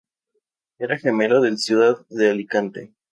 Era gemelo del Ciudad de Alicante.